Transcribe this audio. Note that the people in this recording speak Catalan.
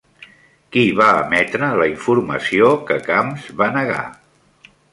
Qui va emetre la informació que Camps va negar?